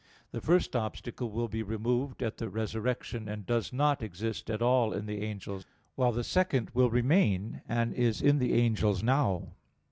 The first obstacle will be removed at the Resurrection, and does not exist at all in the angels; while the second will remain, and is in the angels now.